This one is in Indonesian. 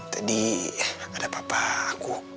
tadi ada papa aku